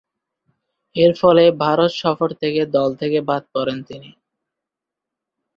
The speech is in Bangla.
এরফলে ভারত সফর থেকে দল থেকে বাদ পড়েন তিনি।